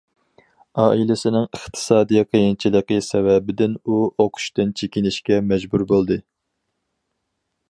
ئائىلىسىنىڭ ئىقتىسادىي قىيىنچىلىقى سەۋەبىدىن ئۇ ئوقۇشتىن چېكىنىشكە مەجبۇر بولدى.